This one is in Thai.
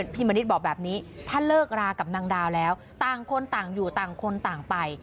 มณิษฐ์บอกแบบนี้ถ้าเลิกรากับนางดาวแล้วต่างคนต่างอยู่ต่างคนต่างไป